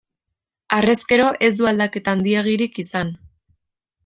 Harrezkero ez du aldaketa handiegirik izan.